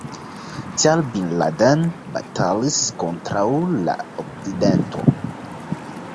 Tial Bin Laden batalis kontraŭ la Okcidento.